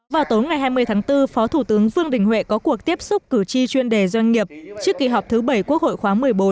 vào tối ngày hai mươi tháng bốn phó thủ tướng vương đình huệ có cuộc tiếp xúc cử tri chuyên đề doanh nghiệp trước kỳ họp thứ bảy quốc hội khóa một mươi bốn